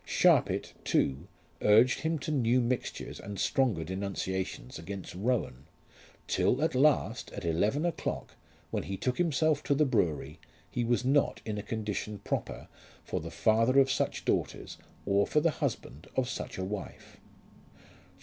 Sharpit, too, urged him to new mixtures and stronger denunciations against Rowan, till at last, at eleven o'clock, when he took himself to the brewery, he was not in a condition proper for the father of such daughters or for the husband of such a wife.